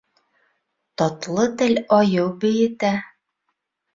Татлы тел айыу бейетә.